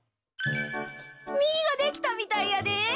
みができたみたいやで！